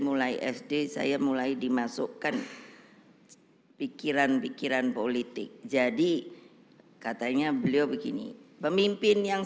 mulai sd saya mulai dimasukkan pikiran pikiran politik jadi katanya beliau begini pemimpin yang